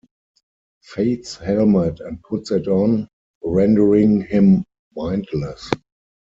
Fate's helmet and puts it on, rendering him mindless.